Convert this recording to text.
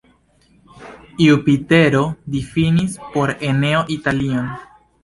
Jupitero difinis por Eneo Italion.